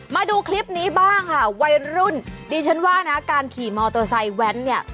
มาดูคลิปนี้บ้างค่ะวัยรุ่นดิฉันว่านะการขี่มอเตอร์ไซค์แว้นเนี่ย